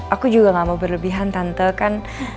aku juga gak mau berlebihan tante kan